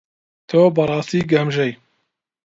تۆ بەڕاستی گەمژەی.